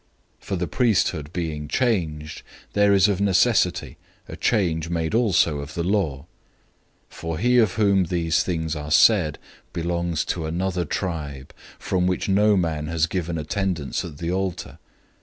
007:012 For the priesthood being changed, there is of necessity a change made also in the law. 007:013 For he of whom these things are said belongs to another tribe, from which no one has officiated at the altar.